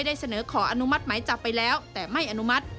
ได้เสนอขออนุมัติหมายจับไปแล้วแต่ไม่อนุมัติ